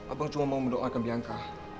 abang cuma mau mendoakan biangka